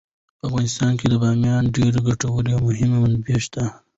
په افغانستان کې د بامیان ډیرې ګټورې او مهمې منابع شته.